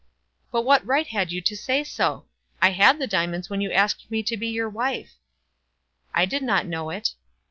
"But what right had you to say so? I had the diamonds when you asked me to be your wife." "I did not know it."